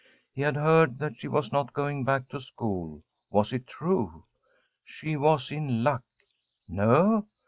He had heard that she was not going back to school. Was it true? She was in luck. No?